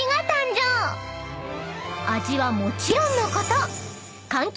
［味はもちろんのこと］